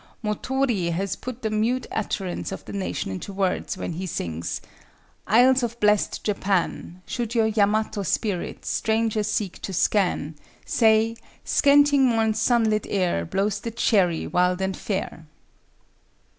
Motoöri has put the mute utterance of the nation into words when he sings:— "Isles of blest Japan! Should your Yamato spirit Strangers seek to scan, Say—scenting morn's sun lit air, Blows the cherry wild and fair!"